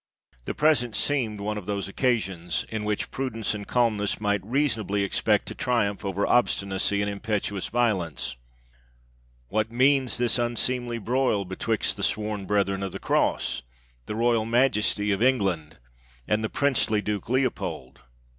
The present seemed one of those oc casions, in which prudence and calmness might reason ably expect to triumph over obstinacy and impetuous violence. " What means this unseemly broil betwixt the sworn brethren of the Cross — the royal Majesty of England 6iS PALESTINE and the princely Duke Leopold?